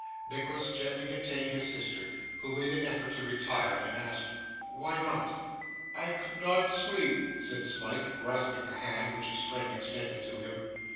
Nicholas gently detained his sister, who made an effort to retire; and asked, 'Why not?' 'I could not sleep,' said Smike, grasping the hand which his friend extended to him.